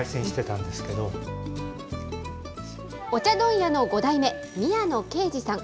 お茶問屋の５代目、宮野圭司さん。